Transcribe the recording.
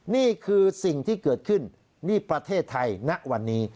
นี่คือสิ่งที่เกิดขึ้นนี่ประเทศไทยณวันนี้